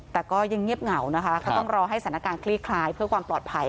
แต่ก็ยังเงียบเหงานะคะก็ต้องรอให้สถานการณ์คลี่คลายเพื่อความปลอดภัย